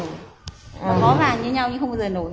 nó bó vàng như nhau nhưng không bao giờ nổi